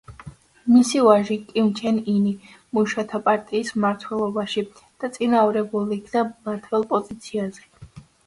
მისი ვაჟი კიმ ჩენ ინი მუშათა პარტიის მმართველობაში დაწინაურებულ იქნა მმართველ პოზიციაზე.